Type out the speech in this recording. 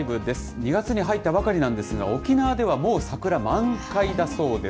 ２月に入ったばかりなんですが、沖縄ではもう桜満開だそうです。